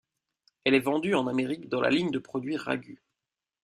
Elle est vendue en Amérique dans la ligne de produits Ragú.